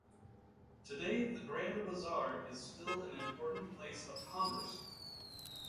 Today, the Grand Bazaar is still an important place of commerce.